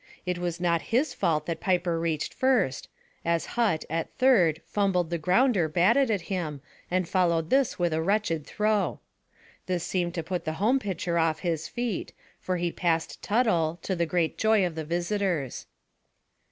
It was not his fault that Piper reached first, as Hutt, at third, fumbled the grounder batted at him and followed this with a wretched throw. This seemed to put the home pitcher off his feet, for he passed Tuttle, to the great joy of the visitors.